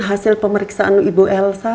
hasil pemeriksaan ibu elsa